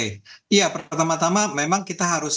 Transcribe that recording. iya pertama tama memang kita harus